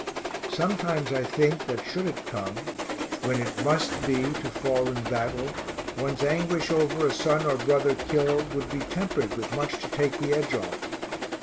Sometimes I think that should it come, when it must be, to fall in battle, one's anguish over a son or brother killed would be tempered with much to take the edge off.